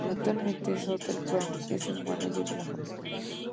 Actualmente, Scooter Braun es el mánager de la joven.